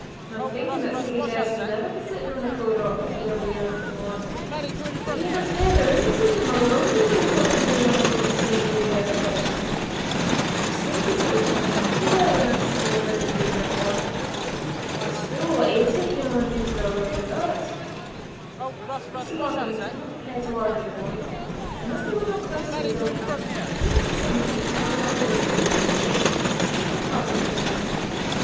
An' I'm thinkin' that sic a dress never was for sittin' on the cauld rock, as ye done beyont. Mon! but do ye no fear the rheumatism or the lumbagy wi' floppin' doon on to the cauld stanes wi' yer bare flesh? I was thinking that it was daft ye waur when I see ye the mornin' doon be the port, but it's fule or eediot ye maun be for the like o' thot!" Mr. Markam did not care to argue the point, and as they were now close to his own home he asked the salmon fisher to have a glass of whisky—which he did—and they parted for the night.